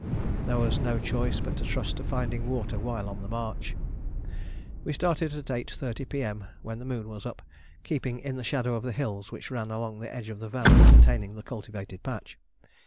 There was no choice but to trust to finding water while on the march. We started at 8.30 P.M., when the moon was up, keeping in the shadow of the hills which ran along the edge of the valley containing the cultivated patch.